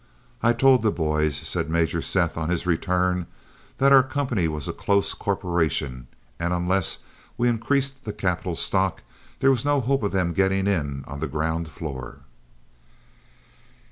"I told the boys," said Major Seth on his return, "that our company was a close corporation, and unless we increased the capital stock, there was no hope of them getting in on the ground floor."